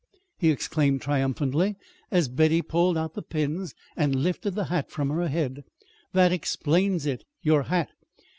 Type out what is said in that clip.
he exclaimed triumphantly, as Betty pulled out the pins and lifted the hat from her head, "that explains it your hat!